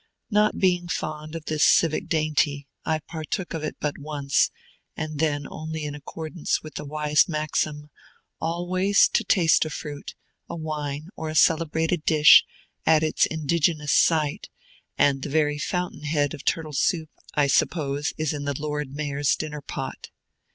Not being fond of this civic dainty, I partook of it but once, and then only in accordance with the wise maxim, always to taste a fruit, a wine, or a celebrated dish, at its indigenous site; and the very fountain head of turtle soup, I suppose, is in the Lord Mayor's dinner pot.